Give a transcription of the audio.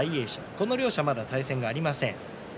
この両者はまだ対戦がありません。